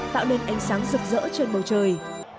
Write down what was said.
tạo nên ánh sáng rực rỡ trên bầu trời